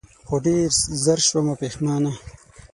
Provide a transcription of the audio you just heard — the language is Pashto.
خو ډېر زر شومه پښېمانه